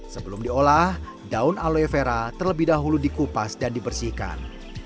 sebelum diolah daun aloe vera terlebih dahulu dikupas dan dibersihkan